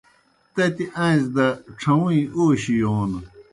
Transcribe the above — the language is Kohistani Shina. تتی آݩزیْ دہ ڇھہُوئیں اوشیْ یون